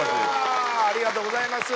いやあありがとうございます！